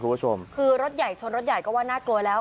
คุณผู้ชมคือรถใหญ่ชนรถใหญ่ก็ว่าน่ากลัวแล้ว